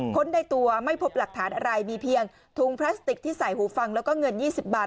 ค้นในตัวไม่พบหลักฐานอะไรมีเพียงถุงพลาสติกที่ใส่หูฟังแล้วก็เงิน๒๐บาท